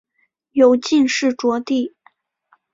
由进士擢第。